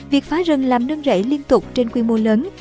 việc phá rừng làm nương rẫy liên tục trên quy mô lớn